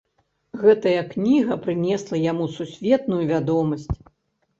Гэтая кніга прынесла яму сусветную вядомасць.